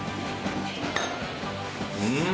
うん。